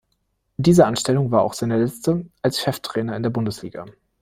Diese Anstellung war auch seine letzte als Cheftrainer in der Bundesliga.